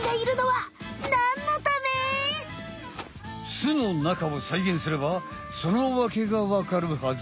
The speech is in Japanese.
巣の中をさいげんすればそのわけがわかるはず！